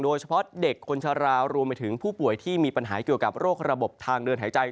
โดยเฉพาะเด็กคนชะลารวมไปถึงผู้ป่วยที่มีปัญหาเกี่ยวกับโรคระบบทางเดินหายใจ